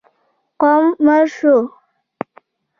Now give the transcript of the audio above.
قوم مړ شو.